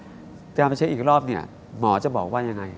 การไปเช็คอีกรอบเนี่ยหมอจะบอกว่ายังไง